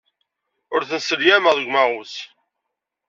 Ur ten-sselyameɣ deg umaɣus.